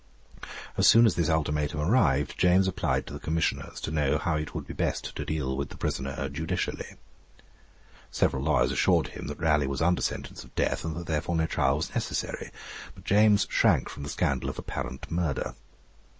As soon as this ultimatum arrived, James applied to the Commissioners to know how it would be best to deal with the prisoner judicially. Several lawyers assured him that Raleigh was under sentence of death, and that therefore no trial was necessary; but James shrank from the scandal of apparent murder.